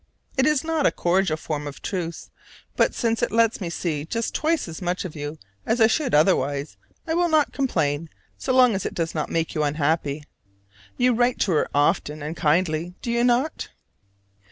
It is not a cordial form of "truce": but since it lets me see just twice as much of you as I should otherwise, I will not complain so long as it does not make you unhappy. You write to her often and kindly, do you not?